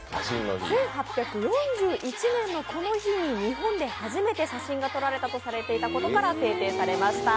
１８４１年のこの日に日本で初めて写真が撮られたとされていたことから制定されました。